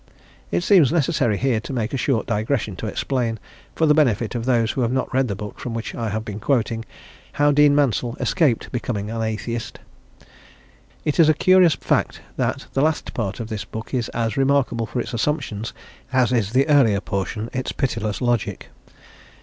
It seems necessary here to make a short digression to explain, for the benefit of those who have not read the book from which I have been quoting, how Dean Mansel escaped becoming an "atheist." It is a curious fact that the last part of this book is as remarkable for its assumptions, as is the earlier portion its pitiless logic.